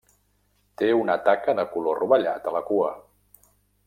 Té una taca de color rovellat a la cua.